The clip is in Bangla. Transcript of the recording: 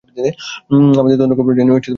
আমাদের তদন্তের খবর জানিয়ে তাকে খুশি করাতে চাই না।